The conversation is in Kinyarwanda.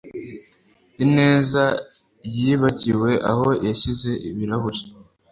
Ineza yibagiwe aho yashyize ibirahure